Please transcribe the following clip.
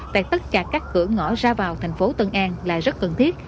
tại tất cả các cửa ngõ ra vào thành phố tân an là rất cần thiết